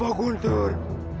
ada apa gunter